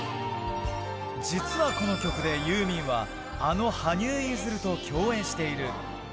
実はこの曲でユーミンは、あの羽生結弦と共演している。